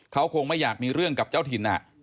เขาคงไม่อยากมีเรื่องกับเจ้าถิ่น